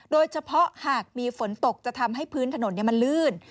หากมีฝนตกจะทำให้พื้นถนนมันลื่น